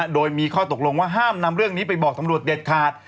โดยมีข้อตกลงว่าห้ามนำเรื่องนี้ไปบอกตำรวจเด็ดขาด